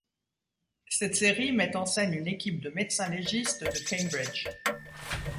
Cette série met en scène une équipe de médecins légistes de Cambridge.